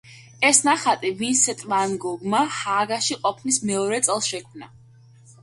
ეს ნახატი ვან გოგმა ჰააგაში ყოფნის მეორე წელს შექმნა.